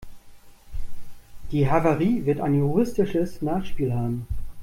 Die Havarie wird ein juristisches Nachspiel haben.